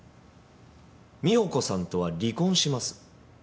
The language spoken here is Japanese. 美保子さんとは離婚します。